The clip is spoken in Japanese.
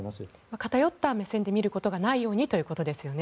偏った目線で見ることがないようにということですね。